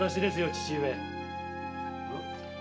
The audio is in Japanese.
父上。